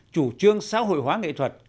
chủ trương xã hội hóa nghệ thuật